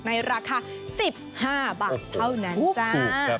ในราคา๑๕บาทเท่านั้นจ้า